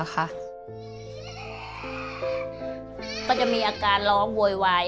ก็จะมีอาการร้องวอยอะ